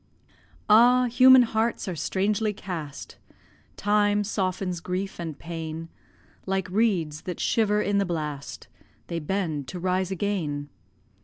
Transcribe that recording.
] "Ah, human hearts are strangely cast, Time softens grief and pain; Like reeds that shiver in the blast, They bend to rise again.